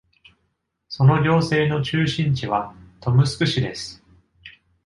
その行政の中心地はトムスク市です。